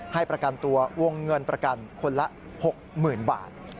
ให้ประกันตัววงเงินประกันคนละ๖๐๐๐บาท